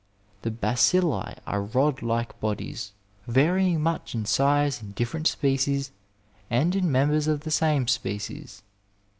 The bacilli are rod like bodies, varying much in size in different species and in membeis of the same species.